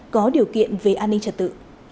có điều kiện về an ninh trật tự